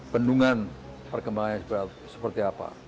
pendungan perkembangannya seperti apa